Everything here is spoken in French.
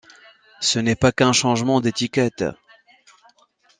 Ce n'est pas qu'un changement d'étiquette.